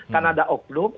karena ada oknum